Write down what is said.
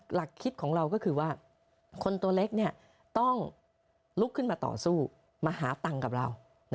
หลักคิดของเราก็คือว่าคนตัวเล็กต้องลุกขึ้นมาต่อสู้มาหาตังค์กับเรา